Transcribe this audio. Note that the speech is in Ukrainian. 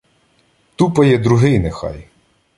Тупає другий нехай.